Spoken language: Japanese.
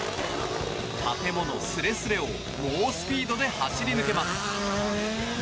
建物すれすれを猛スピードで走り抜けます。